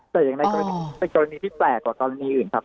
แต่ยังในกรณีที่แปลกกว่ากรณีอื่นครับ